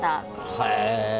へえ！